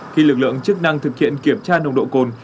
khi lực lượng chức năng thực hiện kiểm tra nồng độ cồn